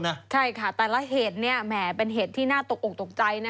ใช่ค่ะแต่ละเหตุเนี่ยแหมเป็นเหตุที่น่าตกอกตกใจนะ